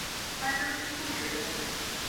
光州固始人。